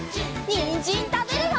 にんじんたべるよ！